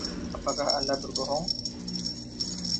Apakah Anda berbohong?